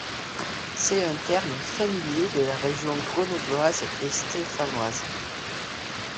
C'est un terme familier de la région grenobloise et stéphanoise.